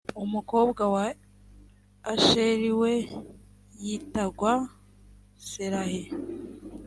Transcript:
umukobwa wa asheri we yitwaga serahi.